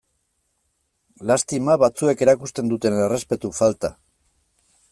Lastima batzuek erakusten duten errespetu falta.